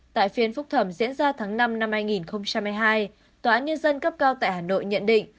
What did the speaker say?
tại phiên phúc thẩm diễn ra tháng năm năm hai nghìn hai mươi hai tòa án nhân dân cấp cao tại hà nội nhận định